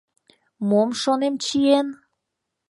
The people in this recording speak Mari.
Мом, шонем, чиен?